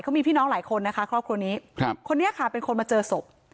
เขามีพี่น้องหลายคนนะคะครอบครัวนี้ครับคนนี้ค่ะเป็นคนมาเจอศพ